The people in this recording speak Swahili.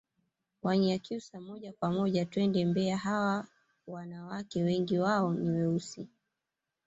Wanyakyusa moja kwa moja twende mbeya hawa wanawake wengi wao ni weusi